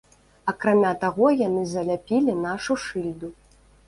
Акрамя таго яны заляпілі нашу шыльду.